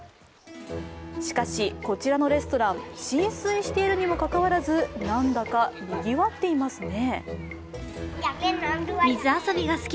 しかし、こちらのレストラン、浸水しているにもかかわらず、なんだかにぎわっていますね。